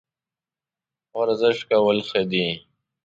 ورزش کول ښه دي